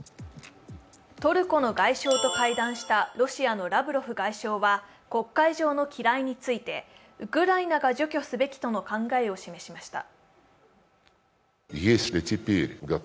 トルコの外相と会談したロシアのラブロフ外相は黒海上の機雷について、ウクライナが除去すべきとの考えを示しました。